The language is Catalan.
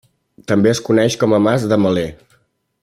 També es coneix com a Mas de Maler.